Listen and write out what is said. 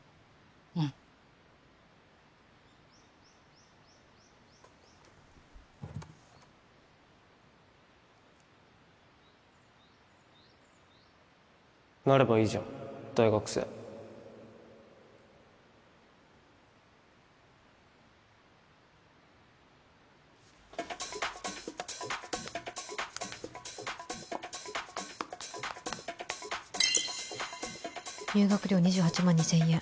うんなればいいじゃん大学生入学料２８万２０００円